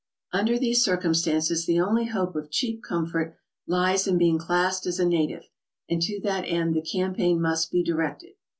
"Under these circumstances the only hope of cheap comfort lies in being classed as a native, and to that end the campaign must be directed.